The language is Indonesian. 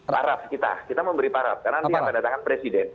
paraf kita kita memberi paraf karena nanti yang tanda tangan presiden